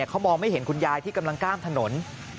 เขามองไม่เห็นคุณยายที่กำลังกล้ามถนน